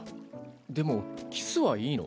でもキスはいいの？